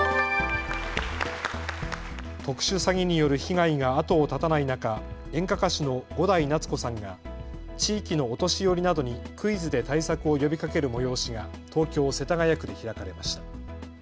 特殊詐欺による被害が後を絶たない中、演歌歌手の伍代夏子さんが地域のお年寄りなどにクイズで対策を呼びかける催しが東京世田谷区で開かれました。